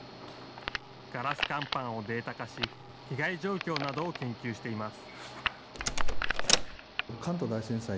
ガラス乾板をデータ化し被害状況などを研究しています。